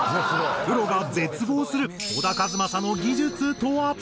プロが絶望する小田和正の技術とは？